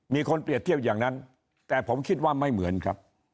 มีคนเปรียบเทียบอย่างนั้นแต่ผมคิดว่าไม่เหมือนครับ